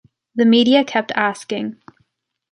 The media kept asking